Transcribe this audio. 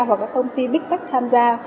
hoặc các công ty bigtech tham gia